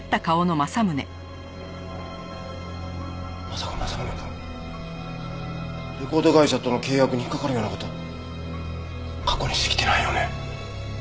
まさか政宗くんレコード会社との契約に引っかかるような事過去にしてきてないよね？